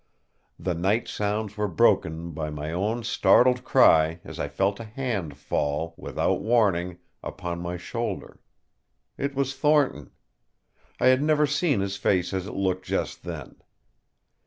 The night sounds were broken by my own startled cry as I felt a hand fall, without warning, upon my shoulder. It was Thornton. I had never seen his face as it looked just then.